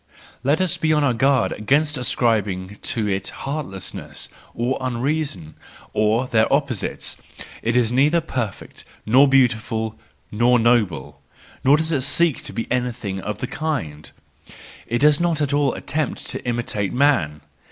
Let us be on our guard against ascribing to it heartlessness and unreason, or their opposites ; it is neither perfect, nor beauti¬ ful, nor noble; nor does it seek to be anything of the kind, it does not at all attempt to imitate man!